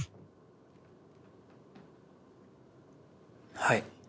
はい。